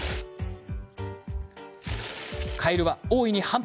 カエルは大いに反発。